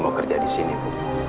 mau kerja disini bu